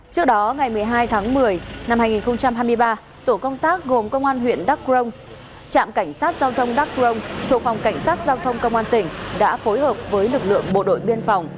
trước đó ngày một mươi hai tháng một mươi năm hai nghìn hai mươi ba tổ công tác gồm công an huyện đắk rông trạm cảnh sát giao thông đắk rông thuộc phòng cảnh sát giao thông công an tỉnh đã phối hợp với lực lượng bộ đội biên phòng